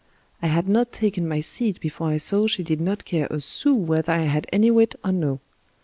I had not taken my seat before I saw she did not care a sou whether I had any wit or no.